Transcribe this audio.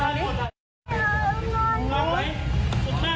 ตายแล้วมึงนะ